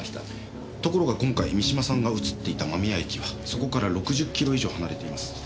ところが今回三島さんが映っていた間宮駅はそこから６０キロ以上離れています。